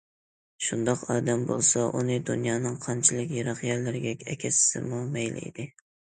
شۇنداق ئادەم بولسا ئۇنى دۇنيانىڭ قانچىلىك يىراق يەرلىرىگە ئەكەتسىمۇ مەيلى ئىدى.